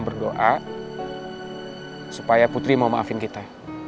berdoa supaya putri mau maafin kita